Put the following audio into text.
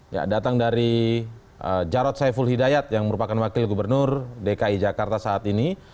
ya datang dari jarod saiful hidayat yang merupakan wakil gubernur dki jakarta saat ini